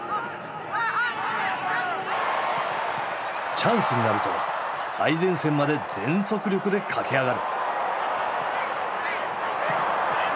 チャンスになると最前線まで全速力で駆け上がる。